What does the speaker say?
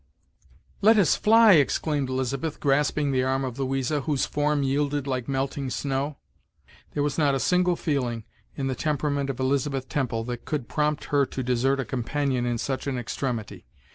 "Let us fly," exclaimed Elizabeth, grasping the arm of Louisa, whose form yielded like melting snow. There was not a single feeling in the temperament of Elizabeth Temple that could prompt her to desert a companion in such an extremity.